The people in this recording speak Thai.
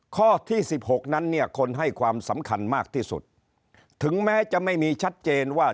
ข้อที่สิบหกนั้นเนี่ยคนให้ความสำคัญมากที่สุดถึงแม้จะไม่มีชัดเจนว่า